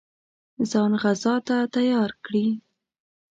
ځان غزا ته تیار کړي.